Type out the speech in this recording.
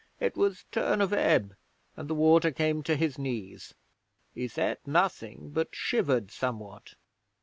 It was turn of ebb, and the water came to his knees. He said nothing, but shivered somewhat.